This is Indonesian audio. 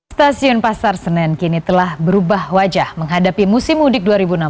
stasiun pasar senen kini telah berubah wajah menghadapi musim mudik dua ribu enam belas